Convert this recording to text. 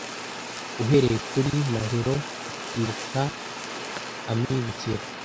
Uhereye kuri "Mahero"Ukibuka "Amibukiro"